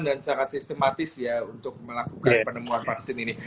dan sangat sistematis untuk melakukan penemuan vaksin ini